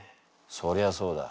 そりゃそうだ。